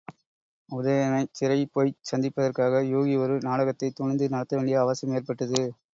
உதயணனைச் சிறையிற்போய்ச் சந்திப்பதற்காக யூகி ஒரு நாடகத்தைத் துணிந்து நடத்தவேண்டிய அவசியம் ஏற்பட்டது.